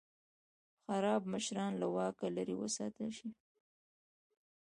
خراب مشران له واکه لرې وساتل شي.